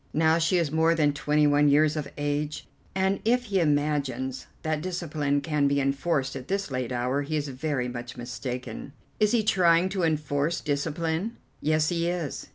Now she is more than twenty one years of age, and if he imagines that discipline can be enforced at this late hour he is very much mistaken." "Is he trying to enforce discipline?" "Yes, he is.